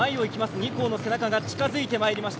２校の背中が近づいてきました。